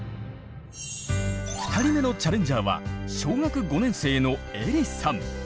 ２人目のチャレンジャーは小学５年生のえりさん。